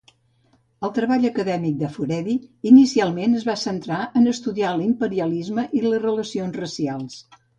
El treball acadèmic de Furedi inicialment es va centrar en estudiar l'imperialisme i les relacions racials.